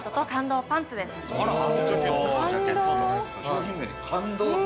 商品名に「感動」と。